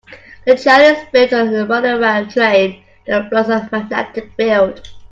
The Chinese built a monorail train that floats on a magnetic field.